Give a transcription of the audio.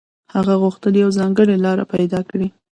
هغه غوښتل يوه ځانګړې لاره پيدا کړي.